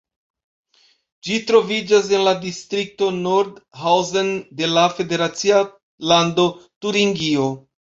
Ĝi troviĝas en la distrikto Nordhausen de la federacia lando Turingio.